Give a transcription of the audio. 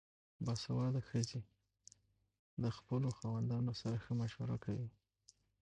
باسواده ښځې د خپلو خاوندانو سره ښه مشوره کوي.